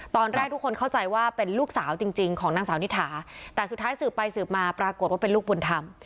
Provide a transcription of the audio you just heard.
ตอนแรกทุกคนเข้าใจว่าเป็นลูกสาวจริงของนางสาวนิถาแต่สุดท้ายสืบไปสืบมาปรากฏว่าเป็นลูกบุญธรรม